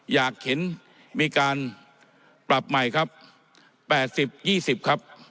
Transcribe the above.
อยากเห็นมีการปรับใหม่ครับ๘๐๒๐ครับ